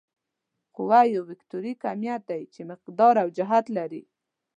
قوه یو وکتوري کمیت دی چې مقدار او جهت لري.